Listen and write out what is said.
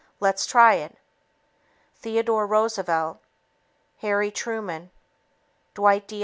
Let's try it. Theodore Roosevelt, Harry Truman, Dwight D.